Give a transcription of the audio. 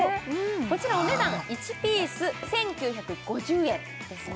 こちらお値段１ピース１９５０円ですね